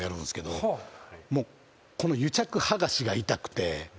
この癒着はがしが痛くて。